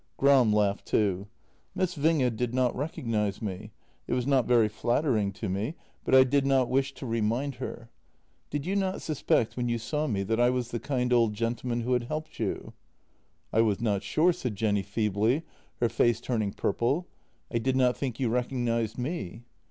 Gram laughed too: "Miss Winge did not recognize me. It was not very flattering to me — but I did not wish to remind JENNY 146 her. Did you not suspect when you saw me that I was the kind old gentleman who had helped you? "" I was not sure," said Jenny feebly, her face turning purple. " I did not think you recognized me."